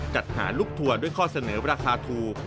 จัดหาลูกทัวร์ด้วยข้อเสนอราคาถูก